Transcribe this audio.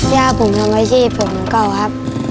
ย่าผมทำวัฒน์ชีวิตผมเก่าครับ